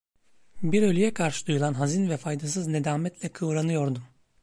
Bir ölüye karşı duyulan hazin ve faydasız nedametle kıvranıyordum.